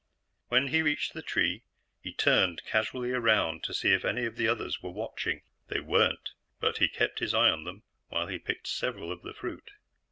When he reached the tree, he turned casually around to see if any of the others were watching. They weren't, but he kept his eye on them while he picked several of the fruit.